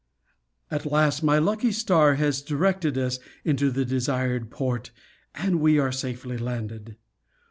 At last my lucky star has directed us into the desired port, and we are safely landed.